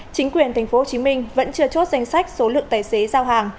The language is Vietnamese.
chính quyền tp hcm vẫn chưa chốt danh sách số lượng tài xế giao hàng